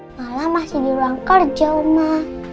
malem masih di ruang kerja oma